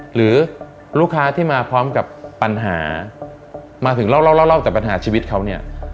หรือลูกค้าที่มาพร้อมกับปัญหามาถึงเล่าจากปัญหาชีวิตเขาเนี่ย